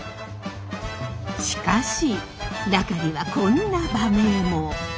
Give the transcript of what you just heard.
しかし中にはこんな馬名も。